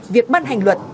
việc bắt hành luật